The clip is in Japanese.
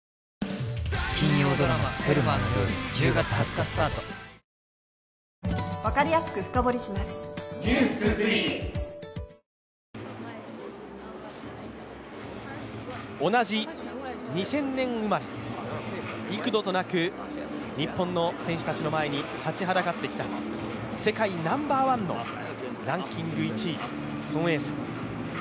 日本代表と共に最高の渇きにＤＲＹ同じ２０００年生まれ、幾度となく日本の選手たちの前に立ちはだかってきた世界ナンバーワンのランキング１位、孫エイ莎。